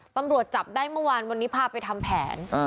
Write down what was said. ตำรวจจับได้เมื่อวานวันนี้พาไปทำแผน